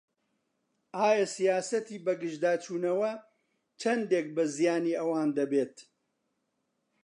ئایا سیاسەتی بەگژداچوونەوە چەندێک بە زیانی ئەوان دەبێت؟